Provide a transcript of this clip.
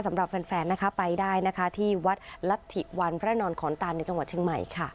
สำหรับแฟนนะคะไปได้นะคะที่วัดรัฐิวันพระนอนขอนตานในจังหวัดเชียงใหม่ค่ะ